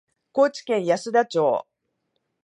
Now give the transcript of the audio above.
高知県安田町